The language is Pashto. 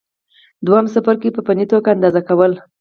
دوهم څپرکی: په فني توګه اندازه کول